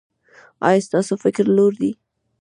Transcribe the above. ایا ستاسو فکر لوړ دی؟